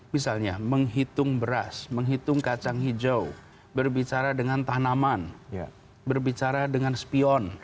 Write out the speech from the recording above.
misalnya menghitung beras menghitung kacang hijau berbicara dengan tanaman berbicara dengan spion